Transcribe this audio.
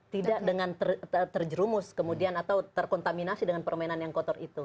tidak dengan terjerumus kemudian atau terkontaminasi dengan permainan yang kotor itu